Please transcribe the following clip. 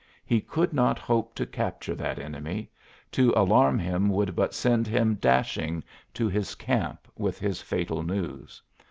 He could not hope to capture that enemy; to alarm him would but send him dashing to his camp with his fatal news.